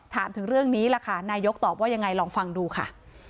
ถามถึงเรื่องนี้ล่ะค่ะนายกตอบว่ายังไงลองฟังดูค่ะ